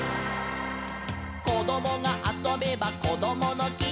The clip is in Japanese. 「こどもがあそべばこどものき」